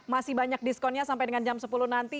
masih banyak diskonnya sampai dengan jam sepuluh nanti